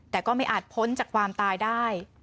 แต่ก็ไม่อาจพ้นจากความตายได้